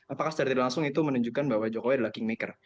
apakah secara tidak langsung itu menunjukkan bahwa jokowi adalah kingmaker